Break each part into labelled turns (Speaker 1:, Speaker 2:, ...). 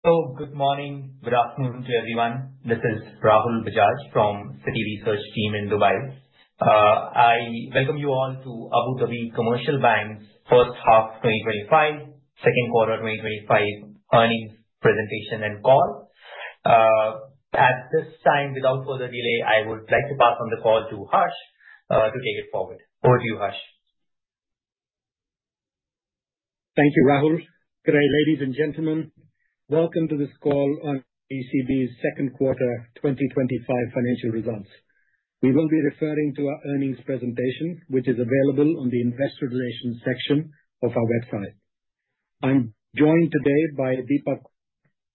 Speaker 1: So, good morning, good afternoon to everyone. This is Rahul Bajaj from the Citi research team in Dubai. I welcome you all to Abu Dhabi Commercial Bank's first half 2025, second quarter 2025 earnings presentation and call. At this time, without further delay, I would like to pass on the call to Harsh, to take it forward. Over to you, Harsh.
Speaker 2: Thank you, Rahul. Good day, ladies and gentlemen. Welcome to this call on ADCB's second quarter 2025 financial results. We will be referring to our earnings presentation, which is available on the investor relations section of our website. I'm joined today by Deepak,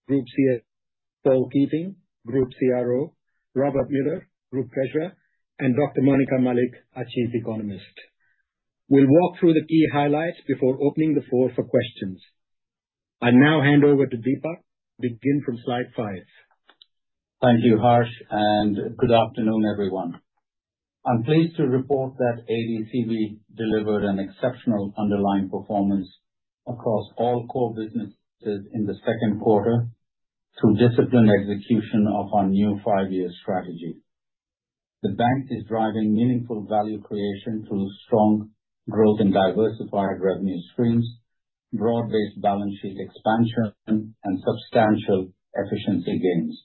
Speaker 2: Group CFO, Keating, Group CRO, Robert Miller, Group Treasurer, and Dr. Monica Malik, our Chief Economist. We'll walk through the key highlights before opening the floor for questions. I now hand over to Deepak. Begin from slide five.
Speaker 3: Thank you, Harsh, and good afternoon, everyone. I'm pleased to report that ADCB delivered an exceptional underlying performance across all core businesses in the second quarter through disciplined execution of our new five-year strategy. The bank is driving meaningful value creation through strong growth in diversified revenue streams, broad-based balance sheet expansion, and substantial efficiency gains.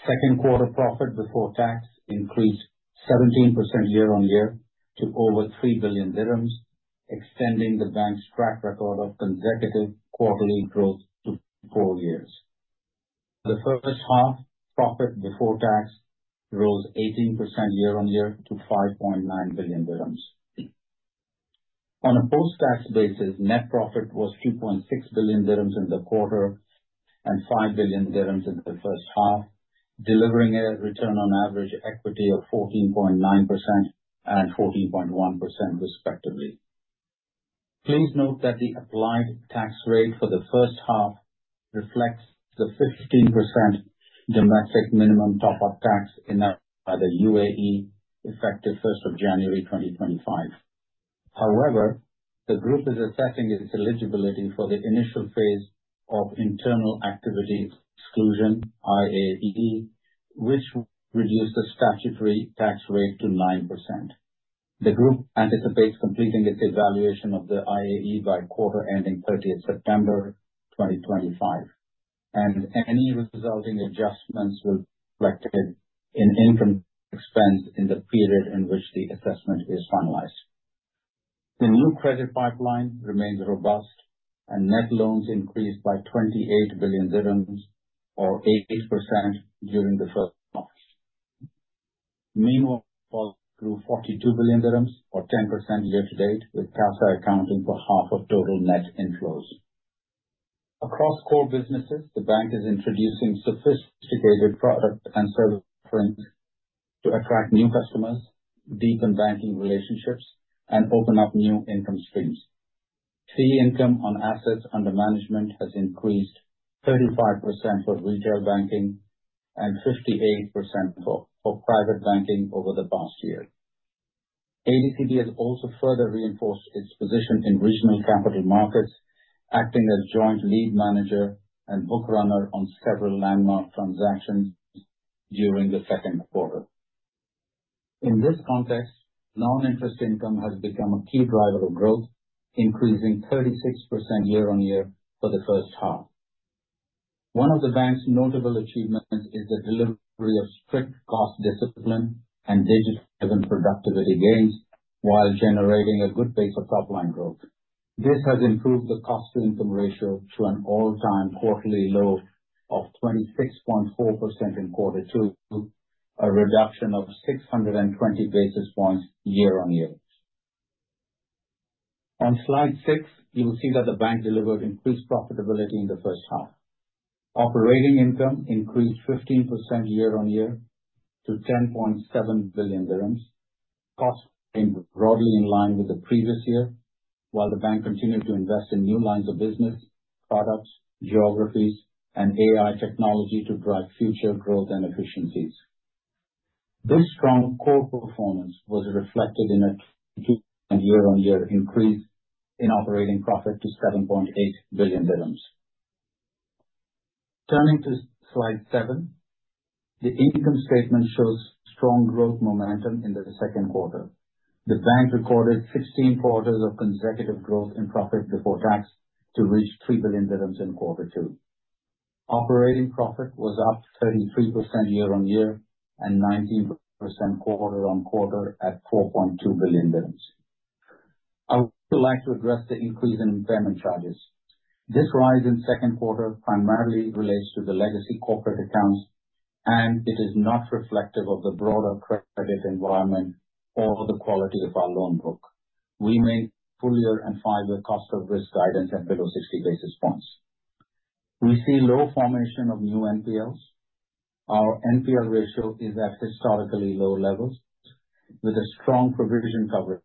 Speaker 3: Second quarter profit before tax increased 17% year on year to over 3 billion dirhams, extending the bank's track record of consecutive quarterly growth to four years. The first half profit before tax rose 18% year on year to 5.9 billion dirhams. On a post-tax basis, net profit was 2.6 billion dirhams in the quarter and 5 billion dirhams in the first half, delivering a return on average equity of 14.9% and 14.1%, respectively. Please note that the applied tax rate for the first half reflects the 15% domestic minimum top-up tax in the UAE effective 1st of January 2025. However, the group is assessing its eligibility for the initial phase of internal activity exclusion, IAE, which reduced the statutory tax rate to 9%. The group anticipates completing its evaluation of the IAE by quarter ending 30th September 2025, and any resulting adjustments will be reflected in income expense in the period in which the assessment is finalized. The new credit pipeline remains robust, and net loans increased by 28 billion dirhams, or 8%, during the first half. Meanwhile, AED 42 billion, or 10% year to date, with CASA accounting for half of total net inflows. Across core businesses, the bank is introducing sophisticated product and service offerings to attract new customers, deepen banking relationships, and open up new income streams. Fee income on assets under management has increased 35% for retail banking and 58% for private banking over the past year. ADCB has also further reinforced its position in regional capital markets, acting as joint lead manager and book runner on several landmark transactions during the second quarter. In this context, non-interest income has become a key driver of growth, increasing 36% year on year for the first half. One of the bank's notable achievements is the delivery of strict cost discipline and digitizing productivity gains while generating a good base of top-line growth. This has improved the cost-to-income ratio to an all-time quarterly low of 26.4% in quarter two, a reduction of 620 basis points year on year. On slide six, you will see that the bank delivered increased profitability in the first half. Operating income increased 15% year on year to 10.7 billion dirhams. Costs came broadly in line with the previous year, while the bank continued to invest in new lines of business, products, geographies, and AI technology to drive future growth and efficiencies. This strong core performance was reflected in a year-on-year increase in operating profit to 7.8 billion dirhams. Turning to slide seven, the income statement shows strong growth momentum in the second quarter. The bank recorded 16 quarters of consecutive growth in profit before tax to reach 3 billion dirhams in quarter two. Operating profit was up 33% year on year and 19% quarter on quarter at 4.2 billion dirhams. I would like to address the increase in impairment charges. This rise in second quarter primarily relates to the legacy corporate accounts, and it is not reflective of the broader credit environment or the quality of our loan book. We maintain full-year and five-year cost of risk guidance at below 60 basis points. We see low formation of new NPLs. Our NPL ratio is at historically low levels, with a strong provision coverage.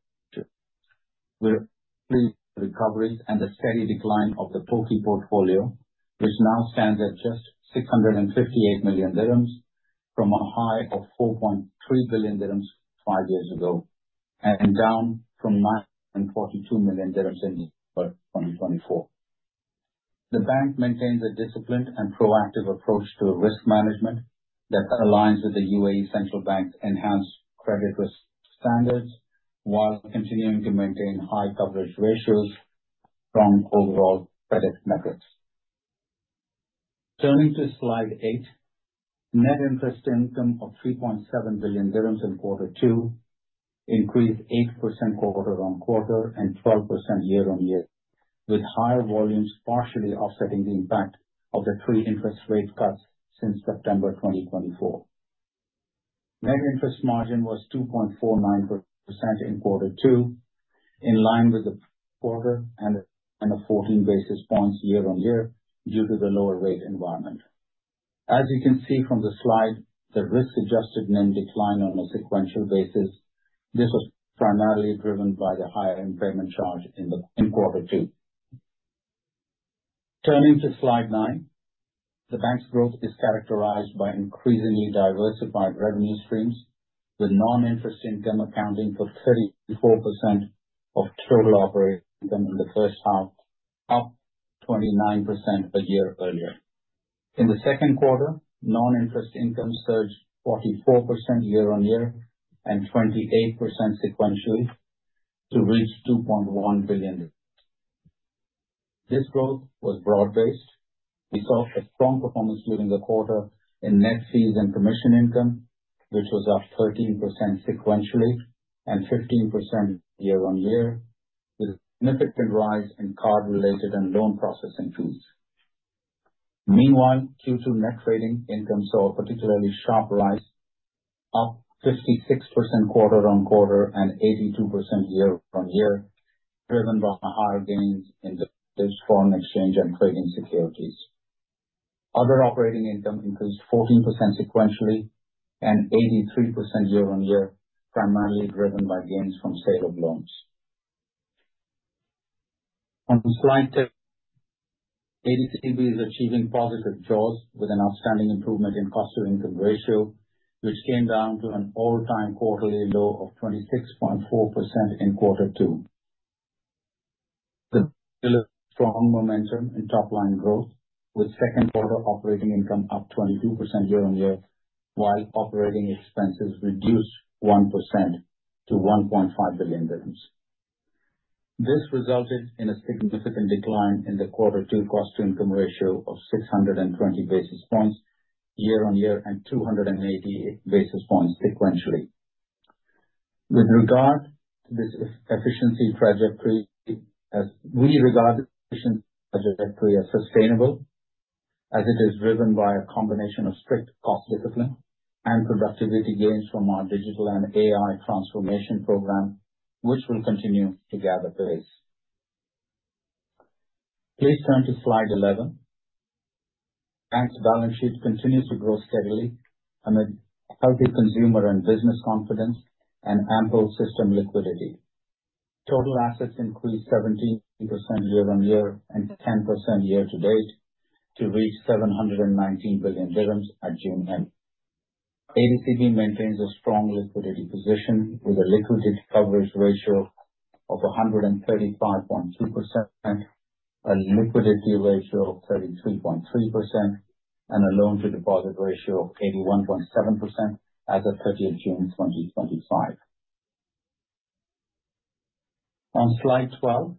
Speaker 3: We're pleased with the recovery and the steady decline of the TOKI portfolio, which now stands at just 658 million dirhams from a high of 4.3 billion dirhams five years ago and down from 942 million dirhams in 2024. The bank maintains a disciplined and proactive approach to risk management that aligns with the UAE Central Bank's enhanced credit risk standards while continuing to maintain high coverage ratios from overall credit metrics. Turning to slide eight, net interest income of 3.7 billion dirhams in quarter two increased 8% quarter on quarter and 12% year on year, with higher volumes partially offsetting the impact of the three interest rate cuts since September 2024. Net interest margin was 2.49% in quarter two, in line with the quarter and a 14 basis points year on year due to the lower rate environment. As you can see from the slide, the risk-adjusted NIM decline on a sequential basis. This was primarily driven by the higher impairment charge in quarter two. Turning to slide nine, the bank's growth is characterized by increasingly diversified revenue streams, with non-interest income accounting for 34% of total operating income in the first half, up 29% a year earlier. In the second quarter, non-interest income surged 44% year on year and 28% sequentially to reach 2.1 billion. This growth was broad-based. We saw a strong performance during the quarter in net fees and commission income, which was up 13% sequentially and 15% year on year, with a significant rise in card-related and loan processing fees. Meanwhile, Q2 net trading income saw a particularly sharp rise, up 56% quarter on quarter and 82% year on year, driven by higher gains in the foreign exchange and trading securities. Other operating income increased 14% sequentially and 83% year on year, primarily driven by gains from sale of loans. On slide 10, ADCB is achieving positive jaws with an outstanding improvement in cost-to-income ratio, which came down to an all-time quarterly low of 26.4% in quarter two. The strong momentum in top-line growth, with second quarter operating income up 22% year on year, while operating expenses reduced 1% to 1.5 billion dirhams. This resulted in a significant decline in the quarter two cost-to-income ratio of 620 basis points year on year and 288 basis points sequentially. With regard to this efficiency trajectory, we regard the efficiency trajectory as sustainable, as it is driven by a combination of strict cost discipline and productivity gains from our digital and AI transformation program, which will continue to gather pace. Please turn to slide 11. The bank's balance sheet continues to grow steadily amid healthy consumer and business confidence and ample system liquidity. Total assets increased 17% year on year and 10% year to date to reach 719 billion dirhams at June end. ADCB maintains a strong liquidity position with a liquidity coverage ratio of 135.2%, a liquidity ratio of 33.3%, and a loan-to-deposit ratio of 81.7% as of 30th June 2025. On slide 12,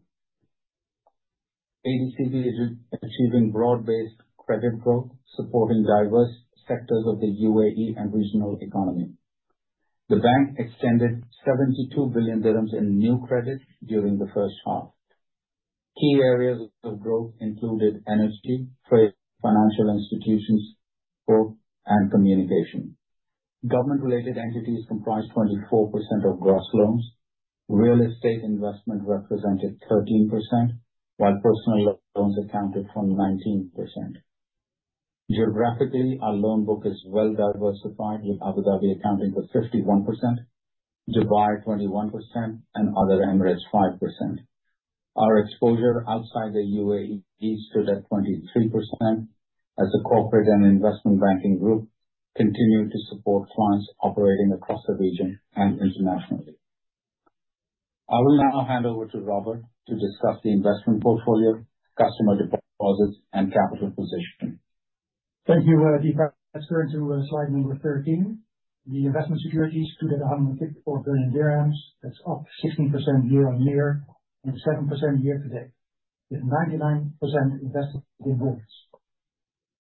Speaker 3: ADCB is achieving broad-based credit growth, supporting diverse sectors of the UAE and regional economy. The bank extended 72 billion dirhams in new credit during the first half. Key areas of growth included energy, trade, financial institutions, sport, and communication. Government-related entities comprised 24% of gross loans. Real estate investment represented 13%, while personal loans accounted for 19%. Geographically, our loan book is well diversified, with Abu Dhabi accounting for 51%, Dubai 21%, and other Emirates 5%. Our exposure outside the UAE stood at 23% as the corporate and investment banking group continued to support clients operating across the region and internationally. I will now hand over to Robert to discuss the investment portfolio, customer deposits, and capital position.
Speaker 4: Thank you, Deepak. Let's turn to slide number 13. The investment securities stood at 154 billion dirhams. That's up 16% year on year and 7% year to date, with 99% invested in govs.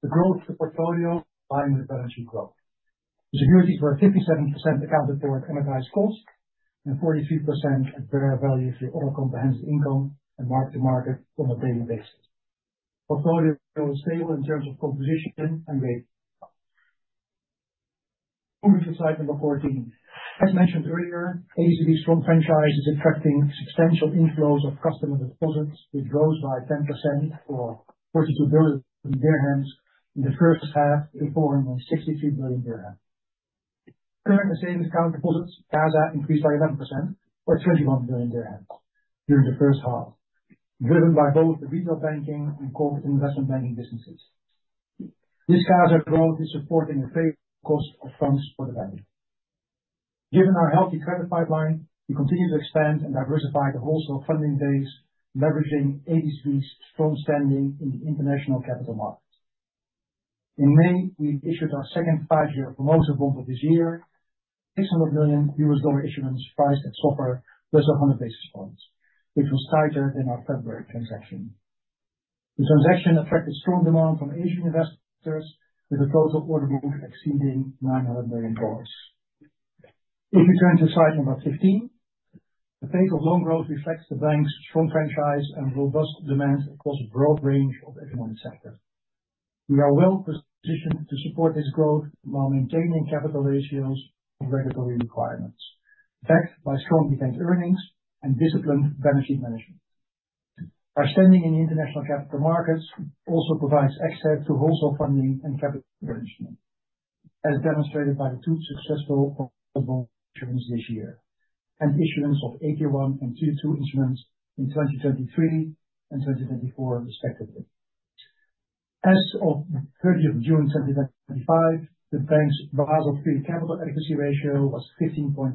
Speaker 4: The growth of the portfolio aligned with balance sheet growth. The securities were 57% accounted for at amortized cost and 43% at fair value through other comprehensive income and marked to market on a daily basis. Portfolio is stable in terms of composition and rate. Moving to slide number 14. As mentioned earlier, ADCB's strong franchise is attracting substantial inflows of customer deposits, which rose by 10%, or 42 billion dirhams in the first half, to 463 billion dirhams. Current and savings account deposits, CASA, increased by 11%, or 21 billion dirhams during the first half, driven by both the retail banking and corporate investment banking businesses. This CASA growth is supporting the lower cost of funds for the bank. Given our healthy credit pipeline, we continue to expand and diversify the wholesale funding base, leveraging ADCB's strong standing in the international capital markets. In May, we issued our second five-year senior bond of this year, $600 million issuance priced at SOFR less than 100 basis points, which was tighter than our February transaction. The transaction attracted strong demand from Asian investors, with a total order book exceeding $900 million. If you turn to slide number 15, the pace of loan growth reflects the bank's strong franchise and robust demand across a broad range of economic sectors. We are well positioned to support this growth while maintaining capital ratios above regulatory requirements, backed by strong bank earnings and disciplined balance sheet management. Our standing in international capital markets also provides access to wholesale funding and capital arrangement, as demonstrated by the two successful wholesale issuance this year and issuance of 81 and 22 instruments in 2023 and 2024, respectively. As of 30th June 2025, the bank's Basel III capital adequacy ratio was 15.53%,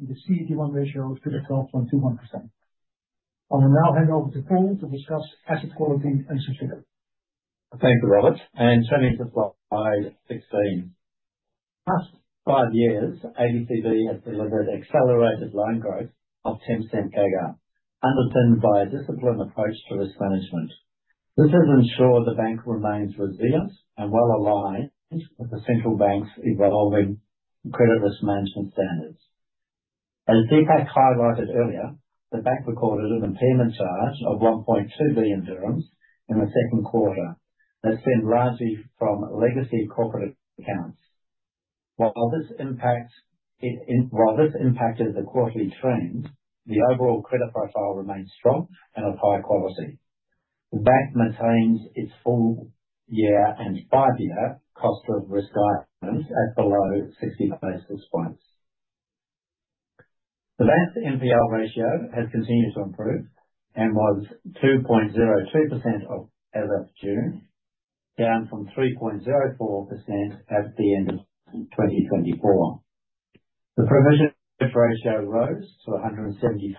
Speaker 4: and the CET1 ratio stood at 12.21%. I will now hand over to Paul to discuss asset quality and security.
Speaker 5: Thank you, Robert. Turning to slide 16. The past five years, ADCB has delivered accelerated loan growth of 10% CAGR, underpinned by a disciplined approach to risk management. This has ensured the bank remains resilient and well aligned with the central bank's evolving credit risk management standards. As Deepak highlighted earlier, the bank recorded an impairment charge of 1.2 billion dirhams in the second quarter that stemmed largely from legacy corporate accounts. While this impacted the quarterly trend, the overall credit profile remained strong and of high quality. The bank maintains its full year and five-year cost of risk guidance at below 60 basis points. The bank's NPL ratio has continued to improve and was 2.02% as of June, down from 3.04% at the end of 2024. The provision ratio rose to 173.1%,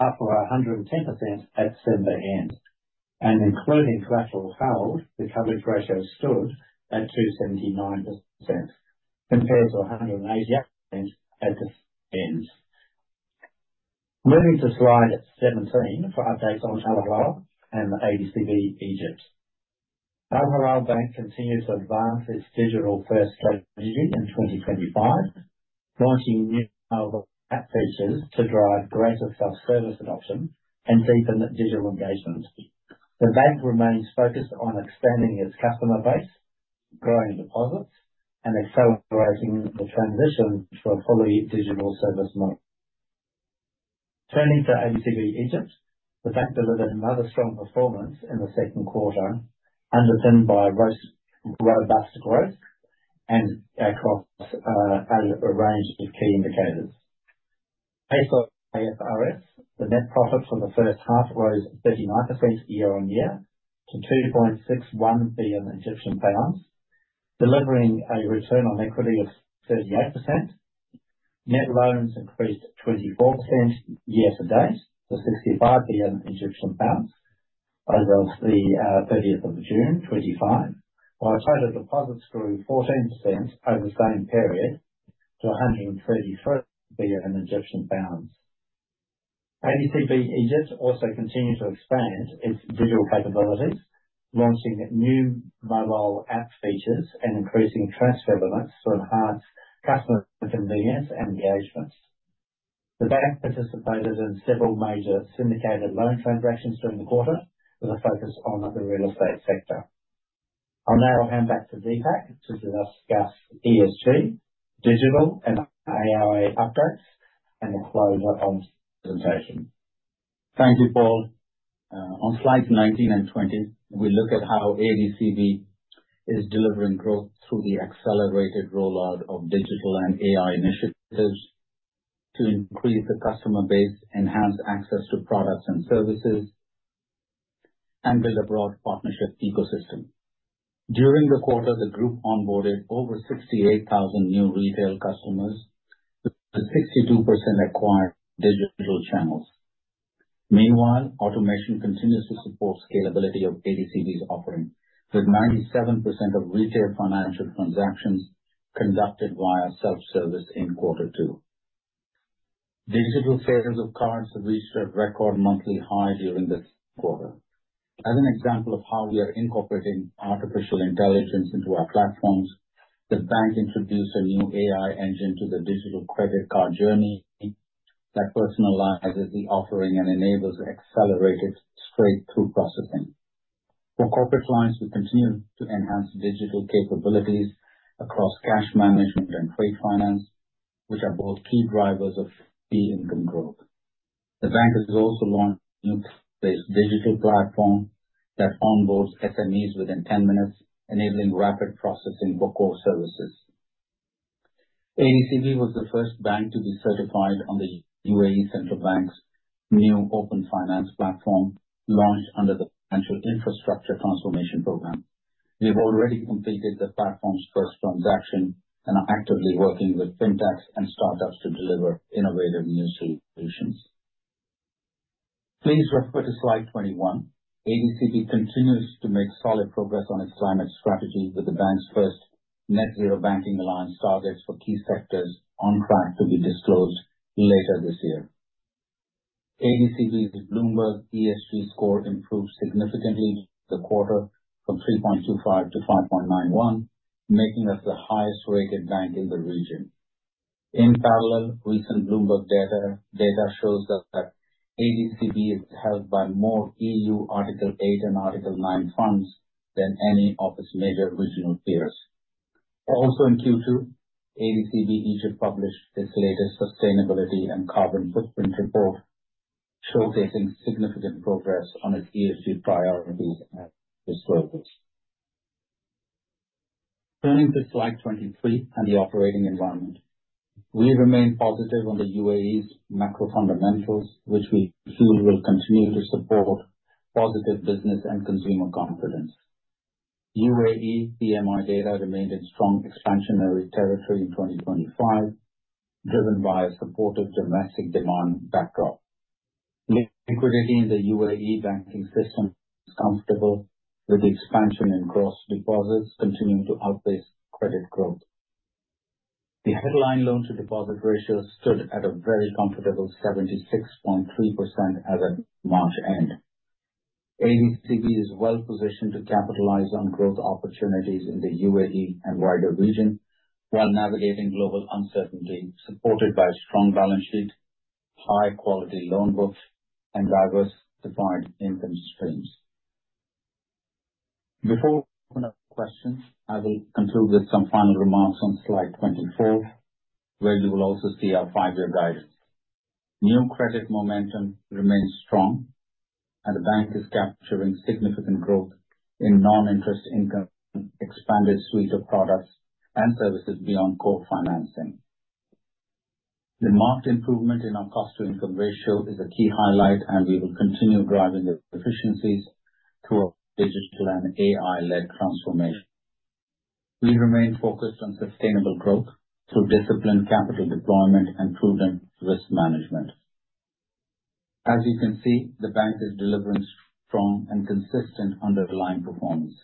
Speaker 5: up from 110% at December end. Including collateral held, the coverage ratio stood at 279%, compared to 188% at the end. Moving to slide 17 for updates on Al Hilal and ADCB Egypt. Al Hilal Bank continues to advance its digital-first strategy in 2025, launching new features to drive greater self-service adoption and deepen digital engagement. The bank remains focused on expanding its customer base, growing deposits, and accelerating the transition to a fully digital service model. Turning to ADCB Egypt, the bank delivered another strong performance in the second quarter, underpinned by robust growth across a range of key indicators. Based on IFRS, the net profit for the first half rose 39% year on year to 2.61 billion Egyptian pounds, delivering a return on equity of 38%. Net loans increased 24% year to date to 65 billion Egyptian pounds as of the 30th of June, 2025, while total deposits grew 14% over the same period to 133 billion Egyptian pounds. ADCB Egypt also continued to expand its digital capabilities, launching new mobile app features and increasing transfer limits to enhance customer convenience and engagement. The bank participated in several major syndicated loan transactions during the quarter, with a focus on the real estate sector. I'll now hand back to Deepak to discuss ESG, digital and AI updates and a closer on presentation.
Speaker 3: Thank you, Paul. On slides 19 and 20, we look at how ADCB is delivering growth through the accelerated rollout of digital and AI initiatives to increase the customer base, enhance access to products and services, and build a broad partnership ecosystem. During the quarter, the group onboarded over 68,000 new retail customers, with 62% acquired through digital channels. Meanwhile, automation continues to support scalability of ADCB's offering, with 97% of retail financial transactions conducted via self-service in quarter two. Digital sales of cards reached a record monthly high during the quarter. As an example of how we are incorporating artificial intelligence into our platforms, the bank introduced a new AI engine to the digital credit card journey that personalizes the offering and enables accelerated straight-through processing. For corporate clients, we continue to enhance digital capabilities across cash management and trade finance, which are both key drivers of fee income growth. The bank has also launched a new digital platform that onboards SMEs within 10 minutes, enabling rapid processing for core services. ADCB was the first bank to be certified on the UAE Central Bank's new Open Finance Platform, launched under the Financial Infrastructure Transformation Program. We have already completed the platform's first transaction and are actively working with fintechs and startups to deliver innovative new solutions. Please refer to Slide 21. ADCB continues to make solid progress on its climate strategy, with the bank's first Net-Zero Banking Alliance targets for key sectors on track to be disclosed later this year. ADCB's Bloomberg ESG score improved significantly during the quarter from 3.25 to 5.91, making us the highest-rated bank in the region. In parallel, recent Bloomberg data shows that ADCB is held by more EU Article 8 and Article 9 funds than any of its major regional peers. Also in Q2, ADCB Egypt published its latest sustainability and carbon footprint report, showcasing significant progress on its ESG priorities and disclosures. Turning to slide 23 and the operating environment, we remain positive on the UAE's macro fundamentals, which we feel will continue to support positive business and consumer confidence. UAE PMI data remained in strong expansionary territory in 2025, driven by a supportive domestic demand backdrop. Liquidity in the UAE banking system is comfortable, with the expansion in gross deposits continuing to outpace credit growth. The headline loan-to-deposit ratio stood at a very comfortable 76.3% as of March end. ADCB is well positioned to capitalize on growth opportunities in the UAE and wider region while navigating global uncertainty, supported by a strong balance sheet, high-quality loan books, and diversified income streams. Before we open up questions, I will conclude with some final remarks on slide 24, where you will also see our five-year guidance. New credit momentum remains strong, and the bank is capturing significant growth in non-interest income, expanded suite of products, and services beyond core financing. The marked improvement in our cost-to-income ratio is a key highlight, and we will continue driving efficiencies through our digital and AI-led transformation. We remain focused on sustainable growth through disciplined capital deployment and prudent risk management. As you can see, the bank is delivering strong and consistent underlying performance.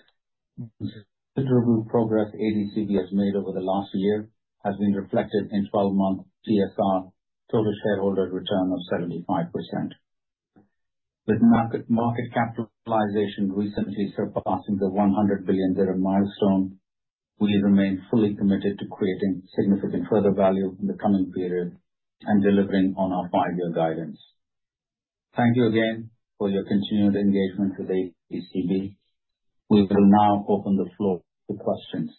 Speaker 3: Considerable progress ADCB has made over the last year has been reflected in 12-month TSR, total shareholder return of 75%. With market capitalization recently surpassing the 100 billion dirham milestone, we remain fully committed to creating significant further value in the coming period and delivering on our five-year guidance. Thank you again for your continued engagement with ADCB. We will now open the floor to questions.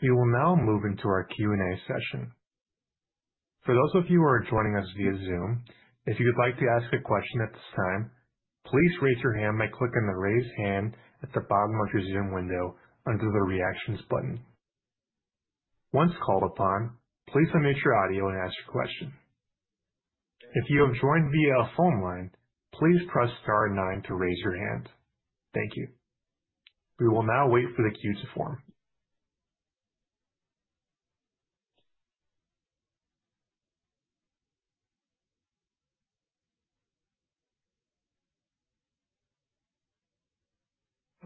Speaker 1: We will now move into our Q&A session. For those of you who are joining us via Zoom, if you'd like to ask a question at this time, please raise your hand by clicking the raise hand at the bottom of your Zoom window under the reactions button. Once called upon, please unmute your audio and ask your question. If you have joined via a phone line, please press star nine to raise your hand. Thank you. We will now wait for the queue to form.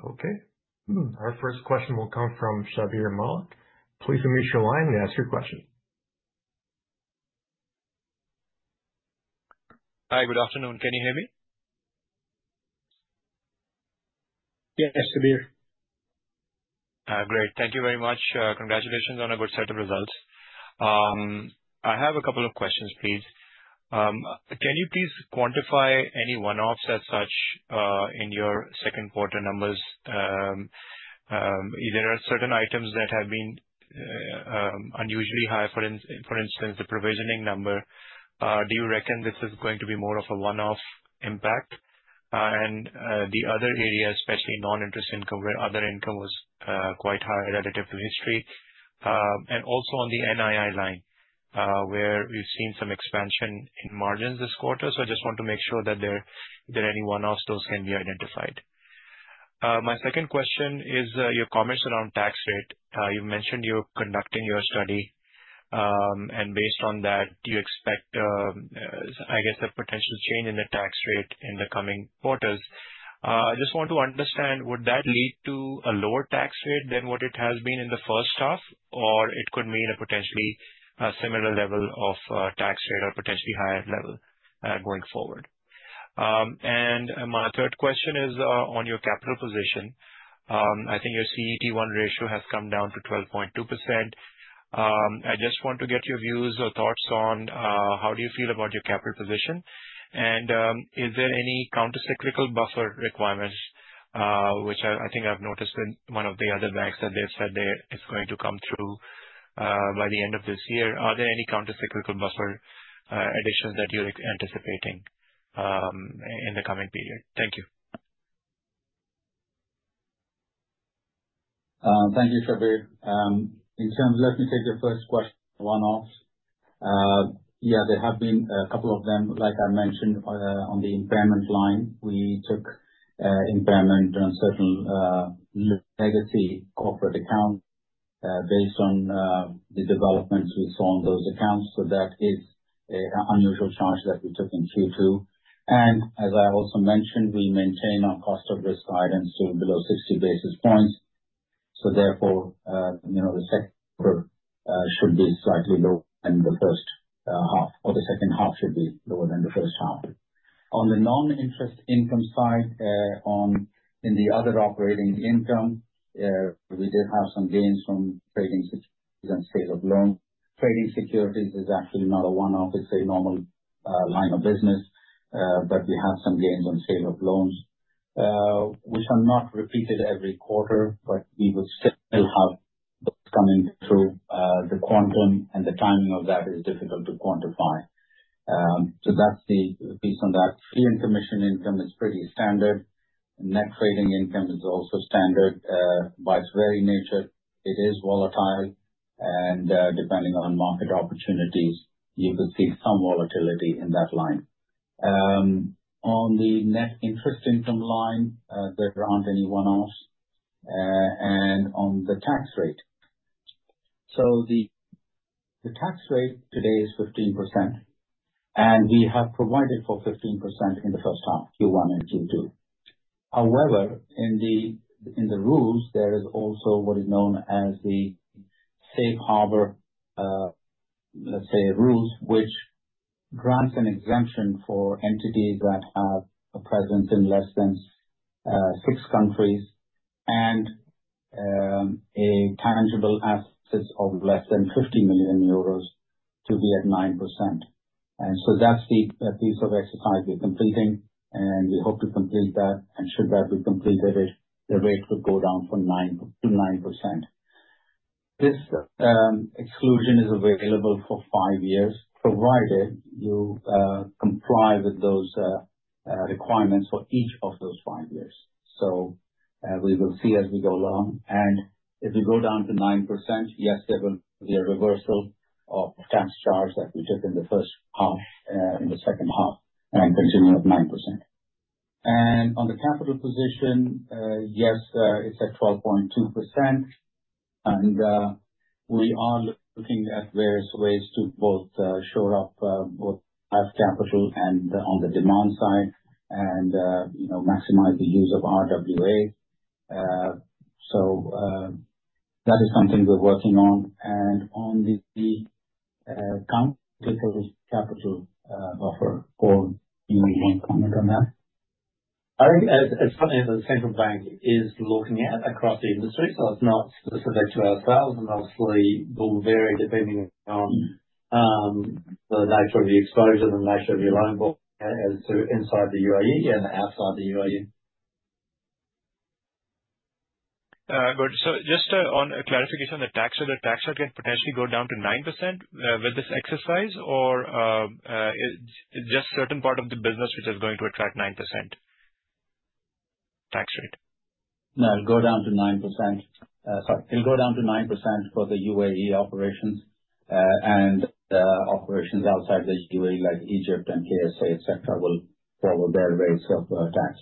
Speaker 1: Okay. Our first question will come from Shabir Malik. Please unmute your line and ask your question.
Speaker 6: Hi, good afternoon. Can you hear me?
Speaker 3: Yes, Shabir.
Speaker 6: Great. Thank you very much. Congratulations on a good set of results. I have a couple of questions, please. Can you please quantify any one-offs as such in your second quarter numbers? There are certain items that have been unusually high. For instance, the provisioning number. Do you reckon this is going to be more of a one-off impact? And the other area, especially non-interest income where other income was quite high relative to history. And also on the NII line, where we've seen some expansion in margins this quarter. So I just want to make sure that there are any one-offs those can be identified. My second question is your comments around tax rate. You mentioned you're conducting your study, and based on that, you expect, I guess, a potential change in the tax rate in the coming quarters. I just want to understand, would that lead to a lower tax rate than what it has been in the first half, or it could mean a potentially similar level of tax rate or potentially higher level going forward? And my third question is on your capital position. I think your CET1 ratio has come down to 12.2%. I just want to get your views or thoughts on how do you feel about your capital position. And is there any countercyclical buffer requirements, which I think I've noticed in one of the other banks that they've said it's going to come through by the end of this year? Are there any countercyclical buffer additions that you're anticipating in the coming period? Thank you.
Speaker 3: Thank you, Shabir. In terms, let me take your first question, one-offs. Yeah, there have been a couple of them. Like I mentioned, on the impairment line, we took impairment on certain legacy corporate accounts based on the developments we saw on those accounts. So that is an unusual charge that we took in Q2, and as I also mentioned, we maintain our cost of risk guidance to below 60 basis points, so therefore, the second quarter should be slightly lower than the first half, or the second half should be lower than the first half. On the non-interest income side, in the other operating income, we did have some gains from trading securities and sale of loans. Trading securities is actually not a one-off. It's a normal line of business, but we have some gains on sale of loans, which are not repeated every quarter, but we would still have those coming through. The quantum and the timing of that is difficult to quantify. So that's the piece on that. Fee and commission income is pretty standard. Net trading income is also standard by its very nature. It is volatile, and depending on market opportunities, you could see some volatility in that line. On the net interest income line, there aren't any one-offs. And on the tax rate, so the tax rate today is 15%, and we have provided for 15% in the first half, Q1 and Q2. However, in the rules, there is also what is known as the safe harbor, let's say, rules, which grants an exemption for entities that have a presence in less than six countries and a tangible asset of less than 50 million euros to be at 9%. And so that's the piece of exercise we're completing, and we hope to complete that. And should that be completed, the rate could go down to 9%. This exclusion is available for five years, provided you comply with those requirements for each of those five years. So we will see as we go along. And if we go down to 9%, yes, there will be a reversal of tax charge that we took in the first half, in the second half, and continue at 9%. And on the capital position, yes, it's at 12.2%. We are looking at various ways to both shore up both leverage capital and on the demand side and maximize the use of RWA. That is something we're working on. On the countercyclical capital buffer, Paul, do you want to comment on that? I think it's something that the central bank is looking at across the industry. It's not specific to ourselves. Obviously, it will vary depending on the nature of the exposure and the nature of your loan book as to inside the UAE and outside the UAE.
Speaker 6: Good. So just on a clarification on the tax, so the tax rate can potentially go down to 9% with this exercise, or it's just a certain part of the business which is going to attract 9% tax rate?
Speaker 3: No, it'll go down to 9%. Sorry, it'll go down to 9% for the UAE operations. And operations outside the UAE, like Egypt and KSA, etc., will follow their rates of tax.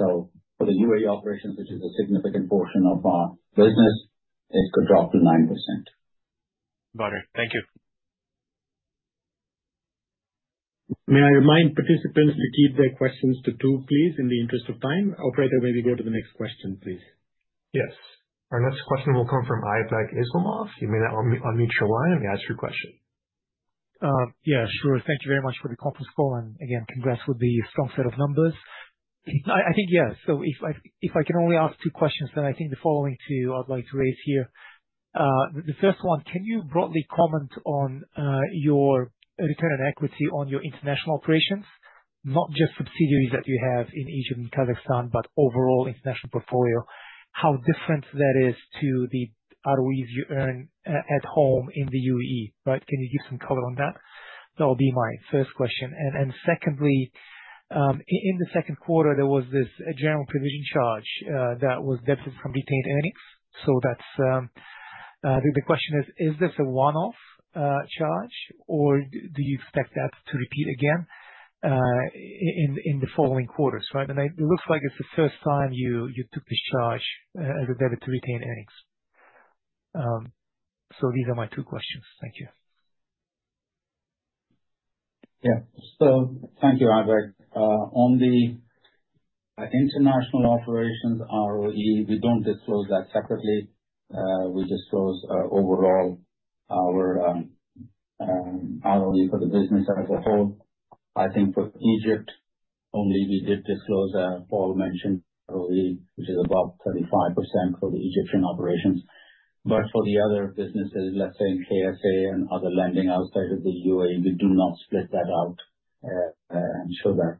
Speaker 3: So for the UAE operations, which is a significant portion of our business, it could drop to 9%.
Speaker 6: Got it. Thank you.
Speaker 1: May I remind participants to keep their questions to two, please, in the interest of time? Or rather, may we go to the next question, please? Yes. Our next question will come from Aybek Islamov. You may unmute your line and ask your question.
Speaker 6: Yeah, sure. Thank you very much for the conference call. And again, congrats with the strong set of numbers. I think, yes. So if I can only ask two questions, then I think the following two I'd like to raise here. The first one, can you broadly comment on your return on equity on your international operations, not just subsidiaries that you have in Egypt and Kazakhstan, but overall international portfolio, how different that is to the ROEs you earn at home in the UAE, right? Can you give some color on that? That will be my first question. And secondly, in the second quarter, there was this general provision charge that was debit from retained earnings. So the question is, is this a one-off charge, or do you expect that to repeat again in the following quarters, right? And it looks like it's the first time you took this charge as a debit to retained earnings. So these are my two questions. Thank you.
Speaker 3: Yeah. So thank you, Aybek. On the international operations ROE, we don't disclose that separately. We disclose overall our ROE for the business as a whole. I think for Egypt only, we did disclose as Paul mentioned ROE, which is about 35% for the Egyptian operations. But for the other businesses, let's say KSA and other lending outside of the UAE, we do not split that out and show that.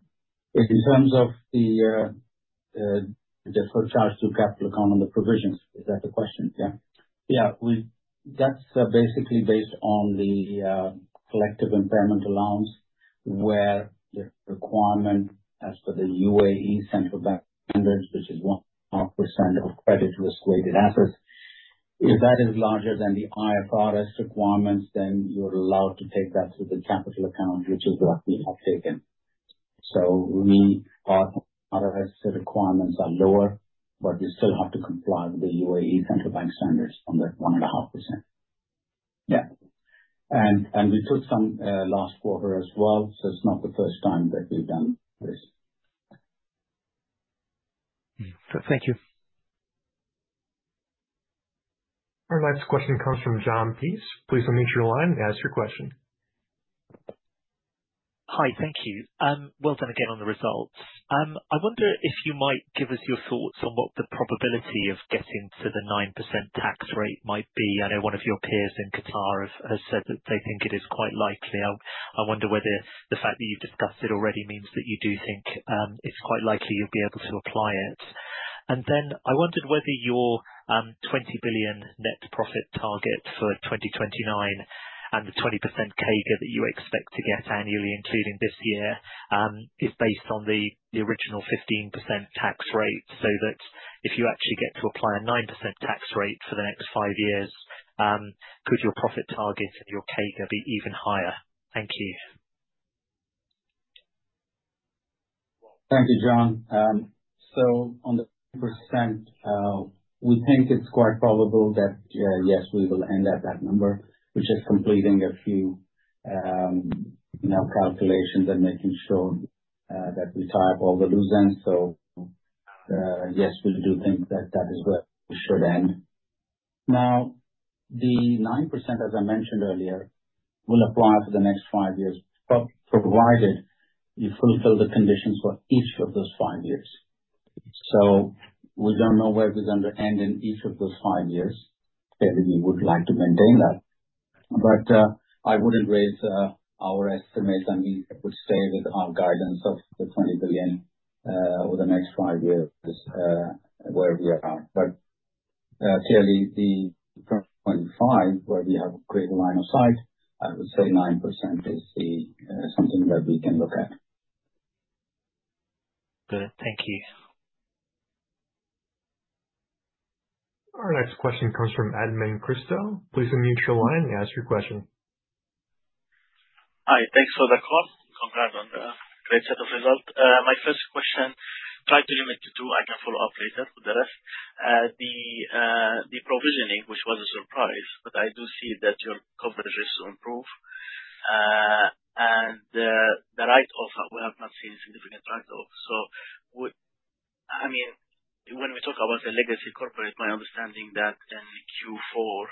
Speaker 3: In terms of the deferred charge to capital account on the provisions, is that the question? Yeah. Yeah. That's basically based on the collective impairment allowance, where the requirement as per the UAE Central Bank standards, which is 1% of credit risk-weighted assets. If that is larger than the IFRS requirements, then you're allowed to take that through the capital account, which is what we have taken. So the requirements are lower, but we still have to comply with the UAE Central Bank standards on that 1.5%. Yeah. And we took some last quarter as well. So it's not the first time that we've done this.
Speaker 6: Thank you.
Speaker 1: Our next question comes from Jon Peace. Please unmute your line and ask your question.
Speaker 6: Hi, thank you. Well done again on the results. I wonder if you might give us your thoughts on what the probability of getting to the 9% tax rate might be. I know one of your peers in Qatar has said that they think it is quite likely. I wonder whether the fact that you've discussed it already means that you do think it's quite likely you'll be able to apply it. And then I wondered whether your 20 billion net profit target for 2029 and the 20% CAGR that you expect to get annually, including this year, is based on the original 15% tax rate, so that if you actually get to apply a 9% tax rate for the next five years, could your profit target and your CAGR be even higher? Thank you.
Speaker 3: Thank you, Jon. So on the 10%, we think it's quite probable that, yes, we will end at that number, which is completing a few calculations and making sure that we tie up all the loose ends. So yes, we do think that that is where we should end. Now, the 9%, as I mentioned earlier, will apply for the next five years, provided you fulfill the conditions for each of those five years. So we don't know where we're going to end in each of those five years. Clearly, we would like to maintain that. But I wouldn't raise our estimates, and we would stay with our guidance of the 20 billion over the next five years where we are. But clearly, the 2.5, where we have a greater line of sight, I would say 9% is something that we can look at.
Speaker 6: Good. Thank you.
Speaker 1: Our next question comes from Edmond Christou. Please unmute your line and ask your question.
Speaker 6: Hi. Thanks for the call. Congrats on the great set of results. My first question. Try to limit to two. I can follow up later with the rest. The provisioning, which was a surprise, but I do see that your coverage is to improve. The write-off, we have not seen a significant write-off. So I mean, when we talk about the legacy corporate, my understanding that in Q4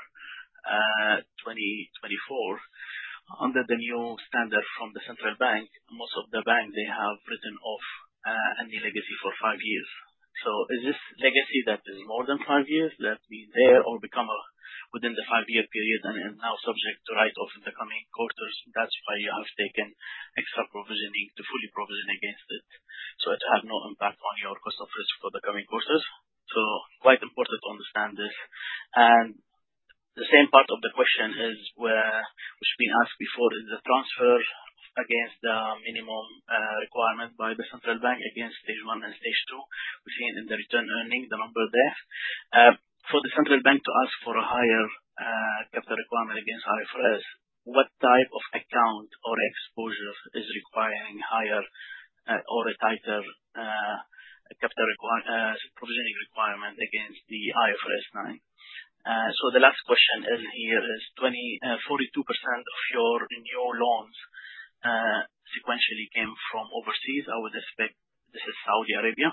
Speaker 6: 2024, under the new standard from the central bank, most of the banks, they have written off any legacy for five years. So is this legacy that is more than five years that we're there or became within the five-year period and now subject to write-off in the coming quarters? That's why you have taken extra provisioning to fully provision against it so it will have no impact on your cost of risk for the coming quarters. So quite important to understand this. And the same part of the question is, which has been asked before, is the transfer against the minimum requirement by the central bank against Stage 1 and Stage 2. We've seen in the return earning the number there. For the central bank to ask for a higher capital requirement against IFRS, what type of account or exposure is requiring higher or a tighter capital provisioning requirement against the IFRS 9? So the last question here is, 42% of your new loans sequentially came from overseas. I would expect this is Saudi Arabia.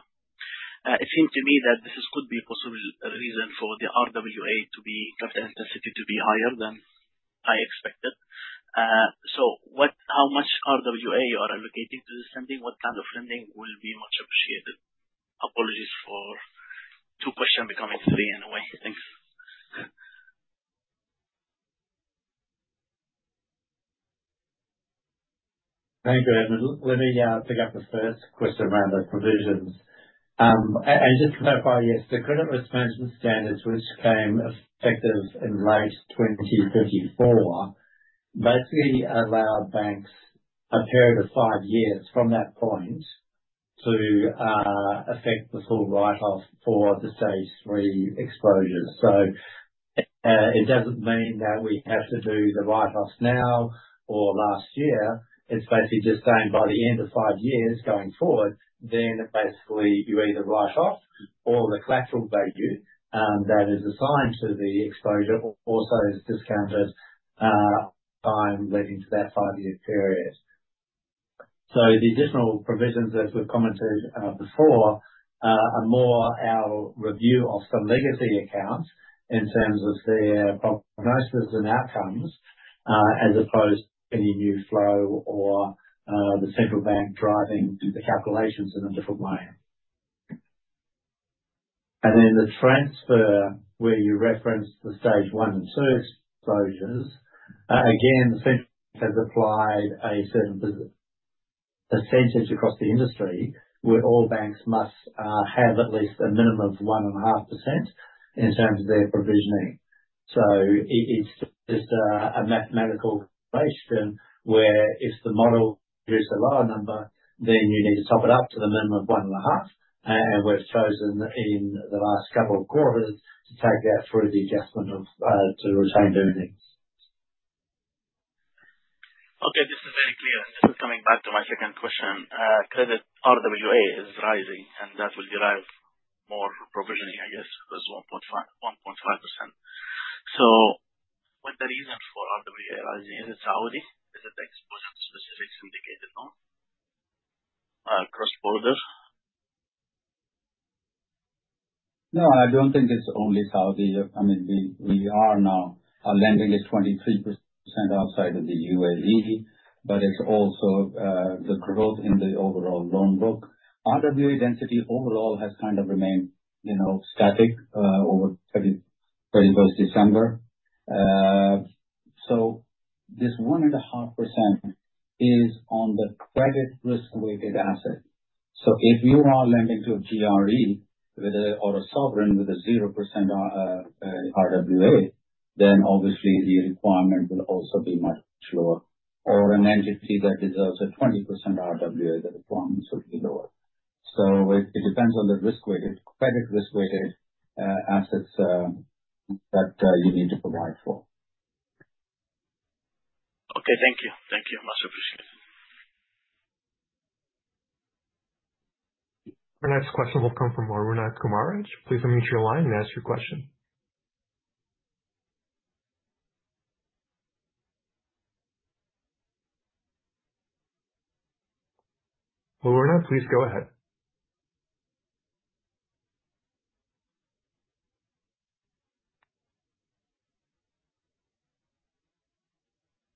Speaker 6: It seemed to me that this could be a possible reason for the RWA capital intensity to be higher than I expected. So how much RWA you are allocating to this lending, what kind of lending will be much appreciated? Apologies for two questions becoming three in a way. Thanks.
Speaker 3: Thank you, Edmond. Let me pick up the first question around the provisions. And just to clarify, yes, the credit risk management standards, which came effective in late 2024, basically allow banks a period of five years from that point to affect the full write-off for the stage three exposures. So it doesn't mean that we have to do the write-off now or last year. It's basically just saying by the end of five years going forward, then basically you either write off or the collateral value that is assigned to the exposure also is discounted by letting to that five-year period. So the additional provisions, as we've commented before, are more our review of some legacy accounts in terms of their prognosis and outcomes as opposed to any new flow or the central bank driving the calculations in a different way. And then the transfer where you reference the Stage 1 and Stage 2 exposures, again, the central bank has applied a percentage across the industry where all banks must have at least a minimum of 1.5% in terms of their provisioning. So it's just a mathematical question where if the model produced a lower number, then you need to top it up to the minimum of 1.5%. And we've chosen in the last couple of quarters to take that through the adjustment to retained earnings.
Speaker 6: Okay. This is very clear. And this is coming back to my second question. Credit RWA is rising, and that will drive more provisioning, I guess, because 1.5%. So what's the reason for RWA rising? Is it Saudi? Is it exposure to specific syndicated loans? Cross-border?
Speaker 3: No, I don't think it's only Saudi. I mean, we are now lending at 23% outside of the UAE, but it's also the growth in the overall loan book. RWA density overall has kind of remained static over 31st December. So this 1.5% is on the credit risk-weighted asset. So if you are lending to a GRE or a sovereign with a 0% RWA, then obviously the requirement will also be much lower. Or an entity that deserves a 20% RWA, the requirements will be lower. So it depends on the risk-weighted credit risk-weighted assets that you need to provide for.
Speaker 6: Okay. Thank you. Thank you. Much appreciated.
Speaker 1: Our next question will come from Arunkumar Rajagopalan. Please unmute your line and ask your question. Arunkumar, please go ahead.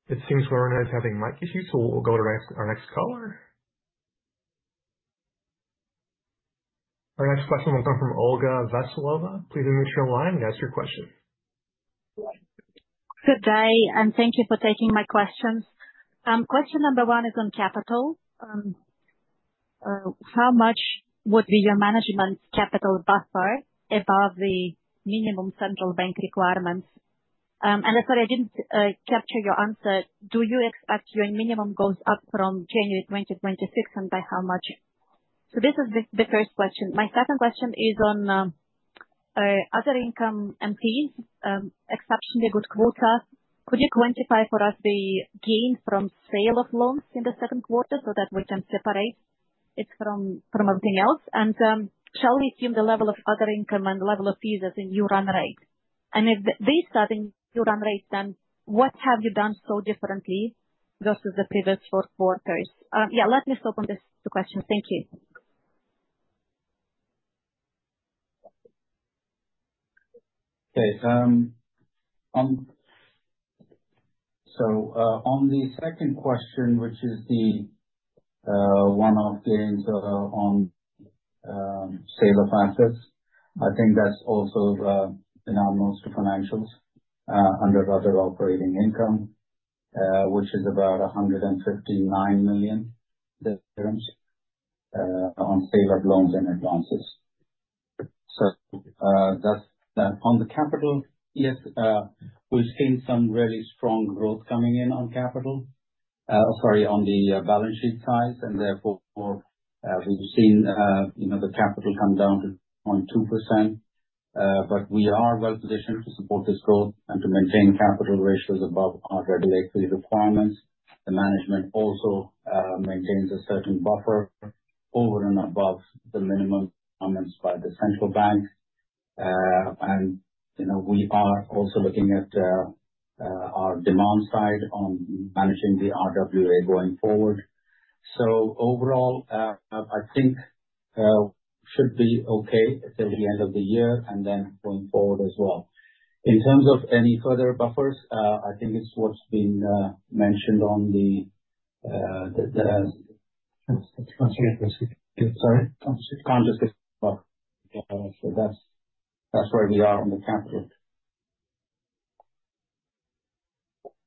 Speaker 1: It seems Arunkumar is having mic issues, so we'll go to our next caller. Our next question will come from Olga Veselova. Please unmute your line and ask your question.
Speaker 6: Good day, and thank you for taking my questions. Question number one is on capital. How much would be your management capital buffer above the minimum central bank requirements? And sorry, I didn't capture your answer. Do you expect your minimum goes up from January 2026, and by how much? So this is the first question. My second question is on other income and fees, exceptionally good quarter. Could you quantify for us the gain from sale of loans in the second quarter so that we can separate it from everything else? And shall we assume the level of other income and the level of fees as a new run rate? And if these are the new run rates, then what have you done so differently versus the previous four quarters? Yeah, let me stop on this question. Thank you.
Speaker 3: Okay. On the second question, which is the one-off gains on sale of assets, I think that's also in our most financials under other operating income, which is about 159 million dirhams difference on sale of loans and advances. On the capital, yes, we've seen some really strong growth coming in on capital or sorry, on the balance sheet size. Therefore, we've seen the capital come down to 0.2%. But we are well positioned to support this growth and to maintain capital ratios above our regulatory requirements. The management also maintains a certain buffer over and above the minimum requirements by the central bank. We are also looking at our demand side on managing the RWA going forward. Overall, I think we should be okay till the end of the year and then going forward as well. In terms of any further buffers, I think it's what's been mentioned on the.
Speaker 1: Sorry.
Speaker 3: Countercyclical buffer, so that's where we are on the capital.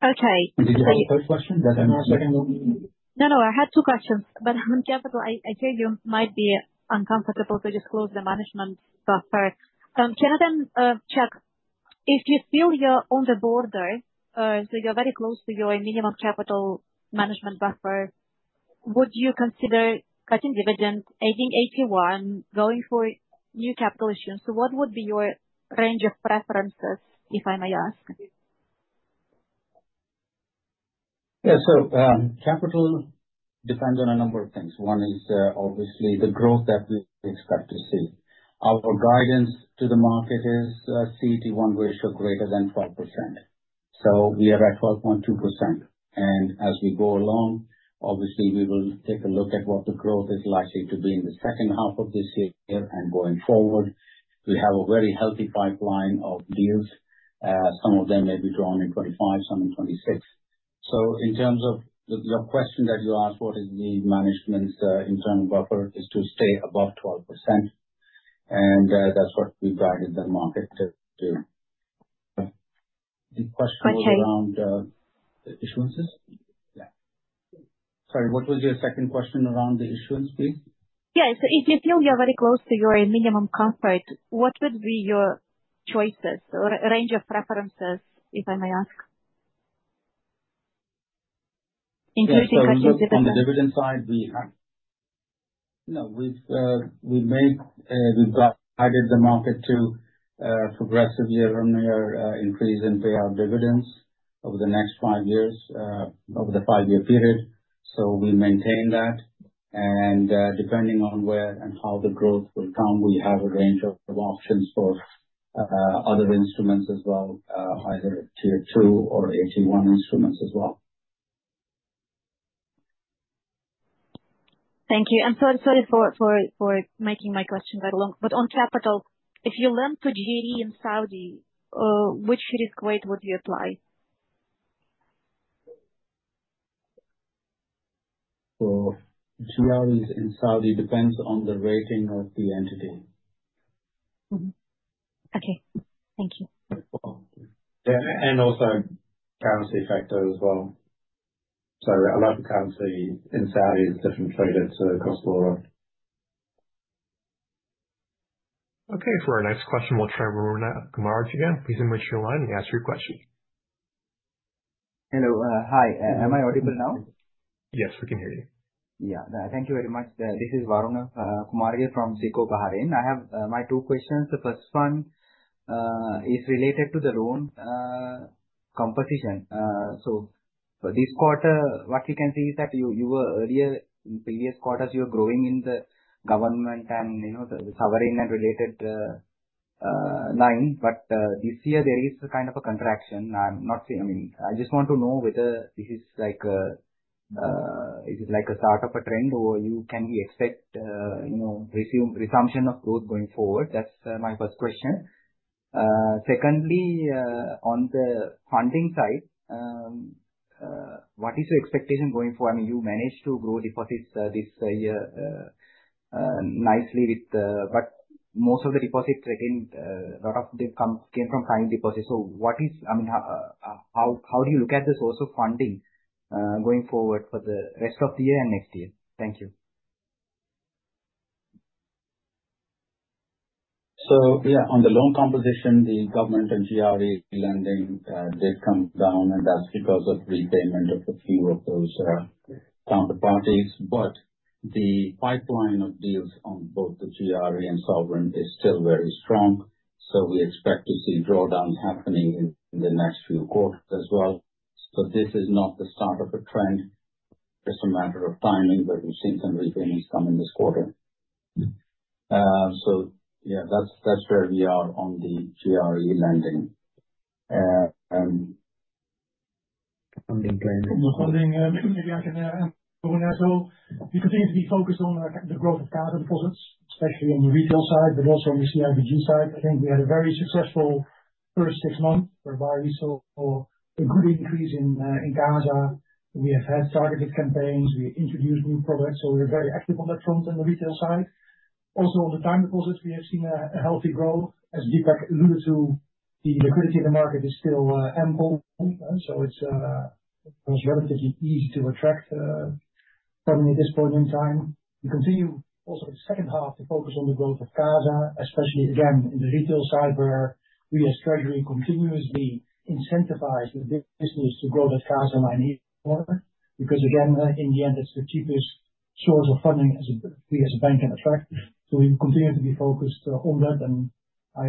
Speaker 6: Okay.
Speaker 3: Did you have a third question? Did I miss a second one?
Speaker 6: No, no. I had two questions. But on capital, I hear you might be uncomfortable, so just close the management buffer. Can I then check? If you feel you're on the border, so you're very close to your minimum capital management buffer, would you consider cutting dividend, issuing AT1, going for new capital issues? So what would be your range of preferences, if I may ask?
Speaker 3: Yeah. So capital depends on a number of things. One is obviously the growth that we expect to see. Our guidance to the market is CET1 ratio greater than 12%. So we are at 12.2%. And as we go along, obviously, we will take a look at what the growth is likely to be in the second half of this year and going forward. We have a very healthy pipeline of deals. Some of them may be drawn in 2025, some in 2026. So in terms of your question that you asked, what is the management's internal buffer is to stay above 12%. And that's what we've guided the market to do. The question was around the issuances. Yeah. Sorry, what was your second question around the issuance, please?
Speaker 6: Yeah. So if you feel you're very close to your minimum comfort, what would be your choices or range of preferences, if I may ask? Including cutting dividend.
Speaker 3: On the dividend side, we've guided the market to progressively increase and pay out dividends over the next five years, over the five-year period. So we maintain that. And depending on where and how the growth will come, we have a range of options for other instruments as well, either Tier 2 or AT1 instruments as well.
Speaker 6: Thank you. I'm sorry for making my question go a bit long. But on capital, if you lend to GE in Saudi, which risk weight would you apply?
Speaker 3: GREs in Saudi depends on the rating of the entity.
Speaker 6: Okay. Thank you.
Speaker 3: Also currency factor as well. A lot of currency in Saudi is differently traded to cross-border.
Speaker 1: Okay. For our next question, we'll turn to Arunkumar Rajagopalan again. Please unmute your line and ask your question.
Speaker 7: Hello. Hi. Am I audible now?
Speaker 1: Yes, we can hear you.
Speaker 7: Yeah. Thank you very much. This is Arunkumar Rajagopalan from SICO Bahrain. I have my two questions. The first one is related to the loan composition. So this quarter, what we can see is that you were earlier in previous quarters, you were growing in the government and the sovereign and related line. But this year, there is kind of a contraction. I'm not saying I mean, I just want to know whether this is like a is it like a start of a trend or can we expect resumption of growth going forward? That's my first question. Secondly, on the funding side, what is your expectation going forward? I mean, you managed to grow deposits this year nicely with but most of the deposits retained, a lot of them came from tiny deposits. So, what is, I mean, how do you look at the source of funding going forward for the rest of the year and next year? Thank you.
Speaker 3: So yeah, on the loan composition, the government and GRE lending, they've come down, and that's because of repayment of a few of those counterparties. But the pipeline of deals on both the GRE and sovereign is still very strong. So we expect to see drawdowns happening in the next few quarters as well. So this is not the start of a trend. It's just a matter of timing, but we've seen some repayments come in this quarter. So yeah, that's where we are on the GRE lending.
Speaker 1: On the funding side. On the funding, maybe I can add, Arunkumar. So we continue to be focused on the growth of CASA deposits, especially on the retail side, but also on the CIBG side. I think we had a very successful first six months whereby we saw a good increase in CASA. We have had targeted campaigns. We introduced new products. So we're very active on that front on the retail side. Also, on the time deposits, we have seen a healthy growth, as Deepak alluded to. The liquidity of the market is still ample. So it was relatively easy to attract funding at this point in time. We continue also in the second half to focus on the growth of CASA, especially again in the retail side where we as Treasury continuously incentivize the business to grow that CASA line even more because, again, in the end, it's the cheapest source of funding we as a bank can attract. So we continue to be focused on that. I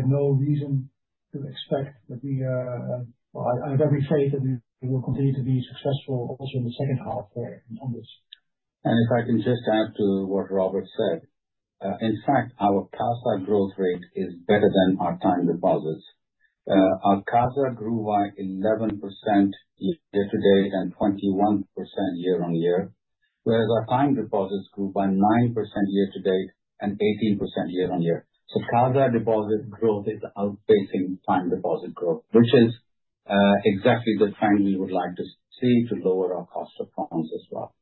Speaker 1: have every faith that we will continue to be successful also in the second half on this.
Speaker 3: If I can just add to what Robert said, in fact, our CASA growth rate is better than our time deposits. Our CASA grew by 11% year to date and 21% year on year, whereas our time deposits grew by 9% year to date and 18% year on year. CASA deposit growth is outpacing time deposit growth, which is exactly the trend we would like to see to lower our cost of funds as well.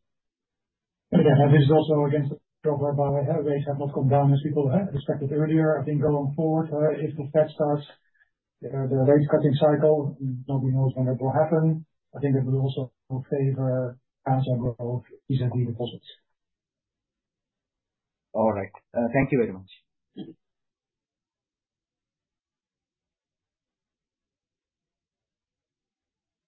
Speaker 3: And this is also against the drawback that rates have not come down as people expected earlier. I think going forward, if the Fed starts the rate-cutting cycle, nobody knows when it will happen. I think it will also favor CASA growth vis-à-vis deposits.
Speaker 7: All right. Thank you very much.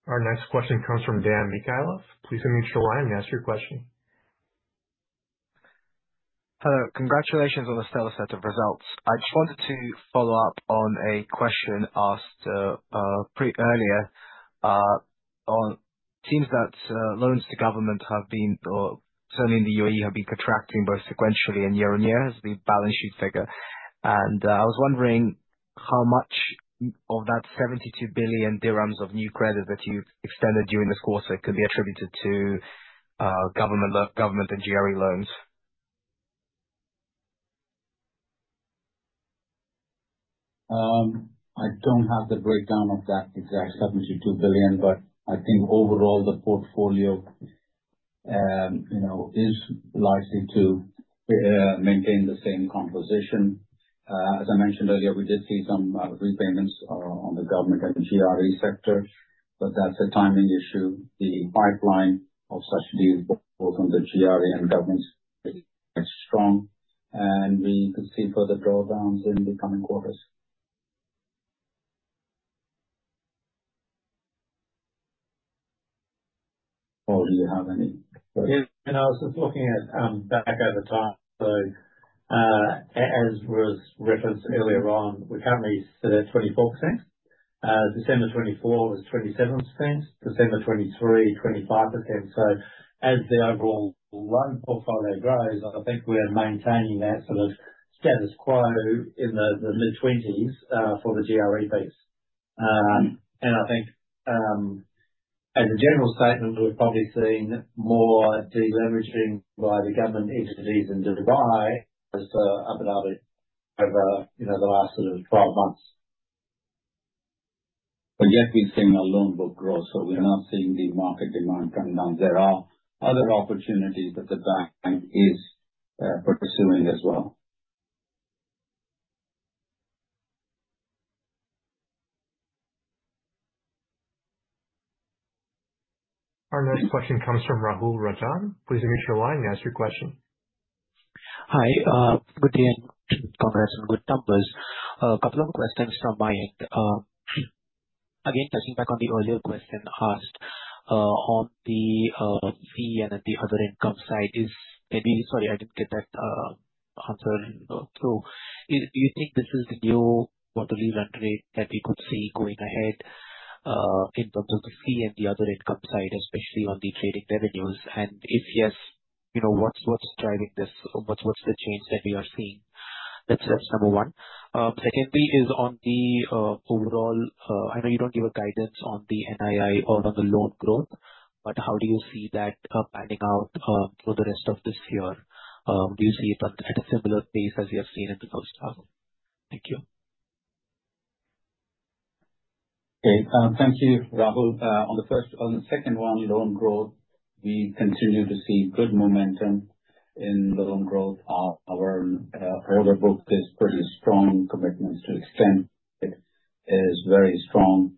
Speaker 1: Our next question comes from Dan Mikhailov. Please unmute your line and ask your question.
Speaker 6: Hello. Congratulations on the stellar set of results. I just wanted to follow up on a question asked pretty early on. It seems that loans to government have been or certainly in the UAE have been contracting both sequentially and year on year as the balance sheet figure. And I was wondering how much of that 72 billion dirhams of new credit that you've extended during this quarter can be attributed to government and GRE loans.
Speaker 3: I don't have the breakdown of that exact 72 billion, but I think overall the portfolio is likely to maintain the same composition. As I mentioned earlier, we did see some repayments on the government and GRE sector, but that's a timing issue. The pipeline of such deals both on the GRE and government is strong, and we could see further drawdowns in the coming quarters. Paul, do you have any questions?
Speaker 5: Yeah. I was just looking back at the time. So as was referenced earlier on, we currently sit at 24%. December 2024 was 27%. December 2023, 25%. So as the overall loan portfolio grows, I think we're maintaining that sort of status quo in the mid-20s for the GRE piece. And I think as a general statement, we've probably seen more deleveraging by the government entities in Dubai and Abu Dhabi over the last sort of 12 months. But yet, we've seen our loan book grow. So we're not seeing the market demand come down. There are other opportunities that the bank is pursuing as well.
Speaker 1: Our next question comes from Rahul Rajan. Please unmute your line and ask your question.
Speaker 6: Hi. Good day and congrats on good numbers. A couple of questions from my end. Again, touching back on the earlier question asked on the fee and other income side. Maybe sorry, I didn't get that answer through. Do you think this is the new quarterly run rate that we could see going ahead in terms of the fee and other income side, especially on the trading revenues? And if yes, what's driving this? What's the change that we are seeing? That's number one. Secondly is on the overall. I know you don't give guidance on the NII or on the loan growth, but how do you see that panning out for the rest of this year? Do you see it at a similar pace as we have seen in the first half? Thank you.
Speaker 3: Okay. Thank you, Rahul. On the second one, loan growth, we continue to see good momentum in the loan growth. Our order book is pretty strong. Commitments to extend credit is very strong.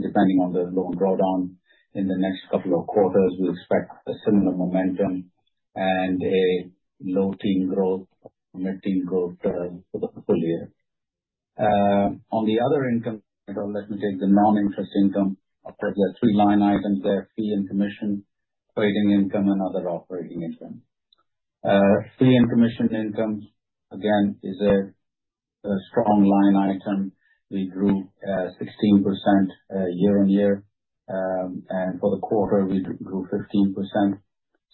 Speaker 3: Depending on the loan drawdown in the next couple of quarters, we expect a similar momentum and a low-teens growth, mid-teens growth for the full year. On the other income, let me take the non-interest income. Of course, there are three line items there: fee and commission, trading income, and other operating income. Fee and commission income, again, is a strong line item. We grew 16% year on year. And for the quarter, we grew 15%.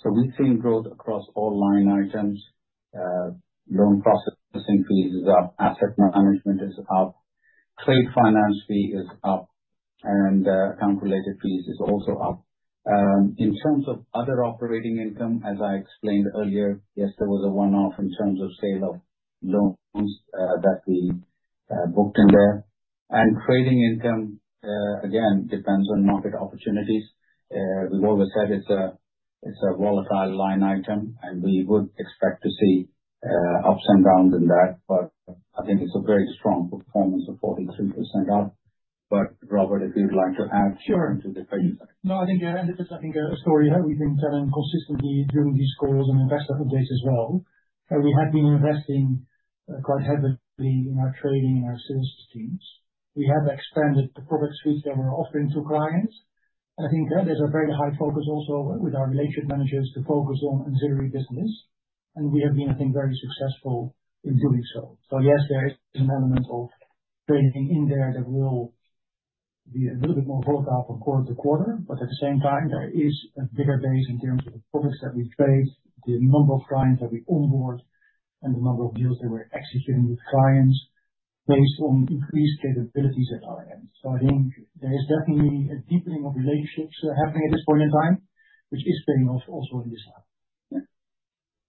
Speaker 3: So we've seen growth across all line items. Loan processing fees is up. Asset management is up. Trade finance fee is up. And account-related fees is also up. In terms of other operating income, as I explained earlier, yes, there was a one-off in terms of sale of loans that we booked in there. And trading income, again, depends on market opportunities. We've always said it's a volatile line item, and we would expect to see ups and downs in that. But I think it's a very strong performance of 43% up. But Robert, if you'd like to add to the question.
Speaker 4: Sure. No, I think you've ended it. I think story that we've been telling consistently during these calls and investor updates as well. We have been investing quite heavily in our trading and our sales teams. We have expanded the product suites that we're offering to clients, and I think there's a very high focus also with our relationship managers to focus on ancillary business, and we have been, I think, very successful in doing so, so yes, there is an element of trading in there that will be a little bit more volatile from quarter to quarter, but at the same time, there is a bigger base in terms of the products that we trade, the number of clients that we onboard, and the number of deals that we're executing with clients based on increased capabilities at our end. So I think there is definitely a deepening of relationships happening at this point in time, which is paying off also in this half.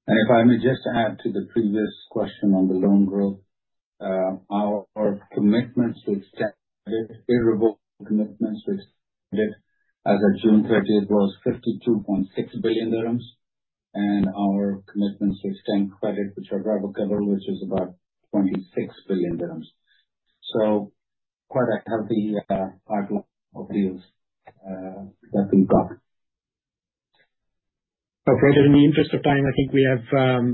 Speaker 4: Yeah.
Speaker 3: If I may just add to the previous question on the loan growth, our commitments to extend credit, irrevocable commitments to extend it as of June 30th was 52.6 billion dirhams. Our commitments to extend credit, which are revocable, which is about 26 billion dirhams. So quite a healthy pipeline of deals that we've got.
Speaker 1: Okay. In the interest of time, I think we have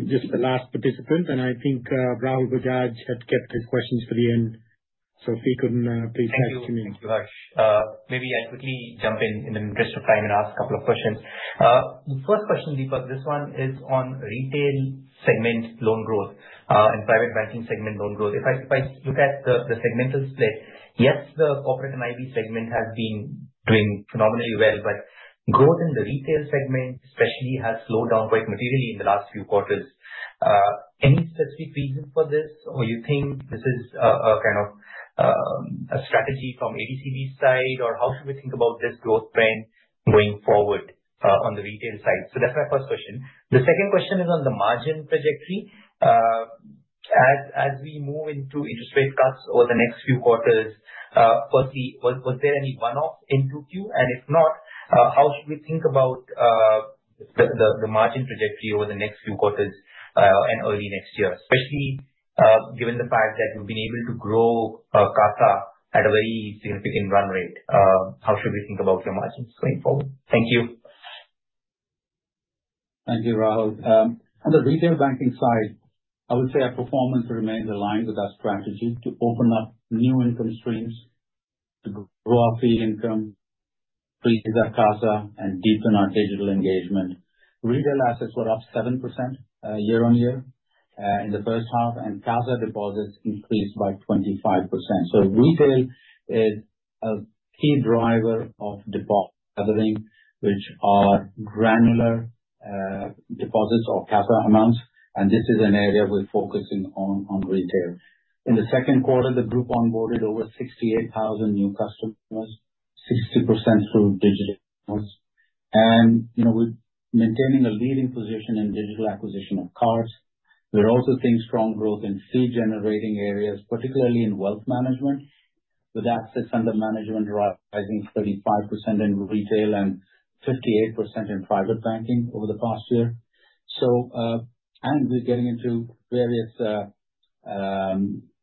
Speaker 1: just the last participant. I think Rahul Bajaj had kept his questions for the end. Sophie, could you please pass to me.
Speaker 6: Thank you very much. Maybe I quickly jump in in the interest of time and ask a couple of questions. The first question, Deepak, this one is on retail segment loan growth and private banking segment loan growth. If I look at the segmental split, yes, the corporate and IB segment has been doing phenomenally well, but growth in the retail segment especially has slowed down quite materially in the last few quarters. Any specific reason for this? Or you think this is kind of a strategy from ADCB side? Or how should we think about this growth trend going forward on the retail side? So that's my first question. The second question is on the margin trajectory. As we move into interest rate cuts over the next few quarters, firstly, was there any one-off in 2Q? If not, how should we think about the margin trajectory over the next few quarters and early next year, especially given the fact that we've been able to grow CASA at a very significant run rate? How should we think about your margins going forward? Thank you.
Speaker 3: Thank you, Rahul. On the retail banking side, I would say our performance remains aligned with our strategy to open up new income streams to grow our fee income, grow our CASA, and deepen our digital engagement. Retail assets were up 7% year on year in the first half, and CASA deposits increased by 25%. So retail is a key driver of deposits, which are granular deposits or CASA amounts. And this is an area we're focusing on in retail. In the second quarter, the group onboarded over 68,000 new customers, 60% through digital deposits. And we're maintaining a leading position in digital acquisition of cards. We're also seeing strong growth in fee-generating areas, particularly in wealth management, with assets under management rising 35% in retail and 58% in private banking over the past year. We're getting into various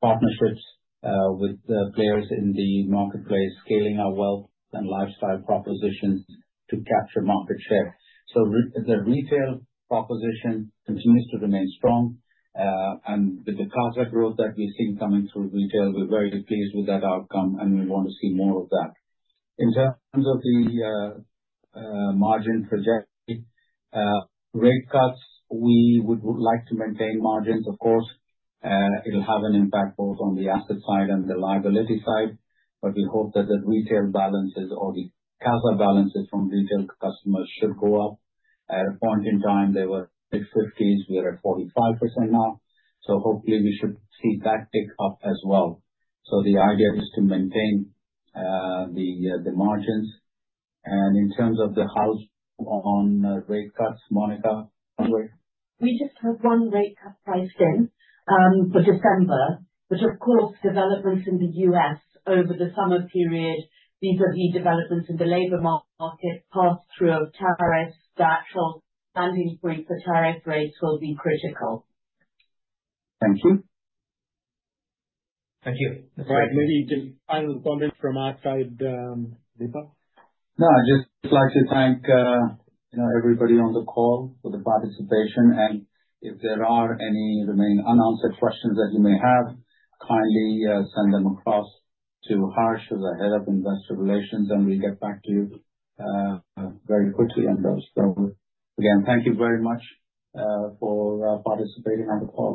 Speaker 3: partnerships with players in the marketplace, scaling our wealth and lifestyle propositions to capture market share. The retail proposition continues to remain strong. With the CASA growth that we've seen coming through retail, we're very pleased with that outcome, and we want to see more of that. In terms of the margin trajectory, rate cuts, we would like to maintain margins, of course. It'll have an impact both on the asset side and the liability side. We hope that the retail balances or the CASA balances from retail customers should go up. At a point in time, they were mid-50s%. We are at 45% now. Hopefully, we should see that tick up as well. The idea is to maintain the margins. In terms of the house view on rate cuts, Monica, one way. We just had one rate cut priced in for December, which, of course, developments in the US over the summer period, vis-à-vis developments in the labor market, pass-through of tariffs, the actual landing point for tariff rates will be critical.
Speaker 2: Thank you.
Speaker 3: Thank you.
Speaker 1: All right. Maybe just final comment from our side, Deepak.
Speaker 3: No, I'd just like to thank everybody on the call for the participation. And if there are any remaining unanswered questions that you may have, kindly send them across to Harsh as our Head of Investor Relations, and we'll get back to you very quickly on those. So again, thank you very much for participating on the call.